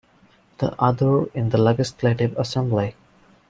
The other is the Legislative Assembly.